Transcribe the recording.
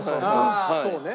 ああそうね。